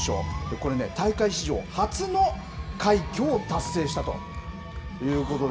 これね、大会史上初の快挙を達成したということで。